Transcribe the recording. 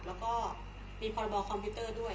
แล้วก็มีพรบคอมพิวเตอร์ด้วย